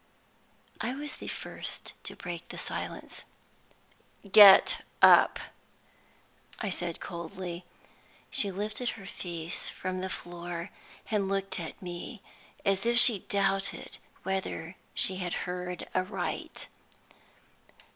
I was the first to break the silence. "Get up," I said coldly. She lifted her face from the floor, and looked at me as if she doubted whether she had heard aright.